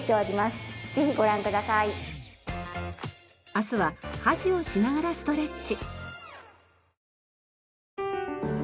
明日は家事をしながらストレッチ。